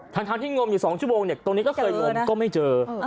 ทั้งที่งมอยู่๒ชั่วโมงตรงนี้ก็เคยงมก็ไม่เจอ